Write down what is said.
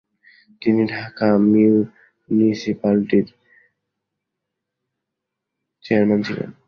তিনি ঢাকা মিউনিসিপালটির চেয়ারম্যান ছিলেন।